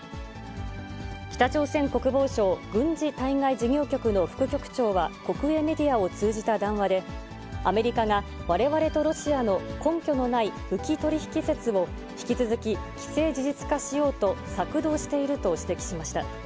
北朝鮮国防省軍事対外事業局の副局長は、国営メディアを通じた談話で、アメリカがわれわれとロシアの根拠のない武器取り引き説を、引き続き既成事実化しようと策動していると指摘しました。